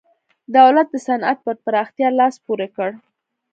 دولت د صنعت پر پراختیا لاس پورې کړ.